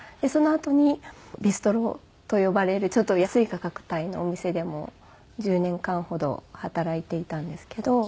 そのあとにビストロと呼ばれるちょっと安い価格帯のお店でも１０年間ほど働いていたんですけど。